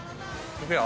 いくよ。